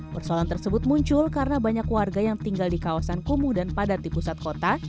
persoalan tersebut muncul karena banyak warga yang tinggal di kawasan kumuh dan padat di pusat kota